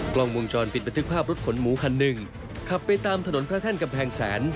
กล้องวงจรปิดบันทึกภาพรถขนหมูคันหนึ่งขับไปตามถนนพระแท่นกำแพงแสน